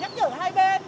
nhắc nhở hai bên